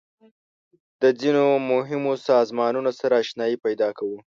د ځینو مهمو سازمانونو سره آشنایي پیدا کوو.